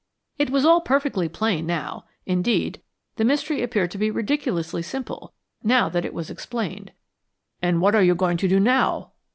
It was all perfectly plain now indeed, the mystery appeared to be ridiculously simple now that it was explained. "And what are you going to do now?"